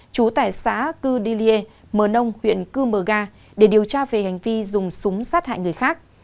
chú tải xã cư đi lê mờ nông huyện cư mờ ga để điều tra về hành vi dùng súng sát hại người khác